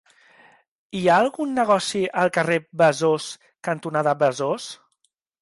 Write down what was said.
Hi ha algun negoci al carrer Besòs cantonada Besòs?